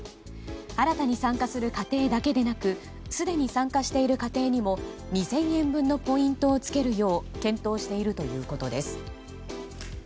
新たに参加する家庭だけでなくすでに参加している家庭にも２０００円分のポイントをつけるよう検討しているということです。